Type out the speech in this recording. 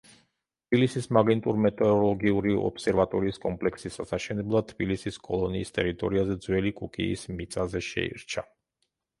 თბილისის მაგნიტურ-მეტეოროლოგიური ობსერვატორიის კომპლექსის ასაშენებლად თბილისის კოლონიის ტერიტორიაზე, ძველი კუკიის მიწაზე შეირჩა.